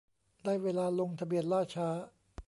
ได้เวลาลงทะเบียน ล่าช้า